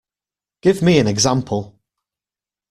Give me an example